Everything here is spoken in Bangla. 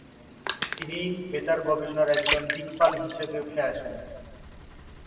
তিনি বেতার গবেষণার একজন দিকপাল হিসেবে উঠে আসেন।